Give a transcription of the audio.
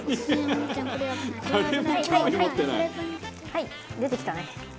はい出てきたね。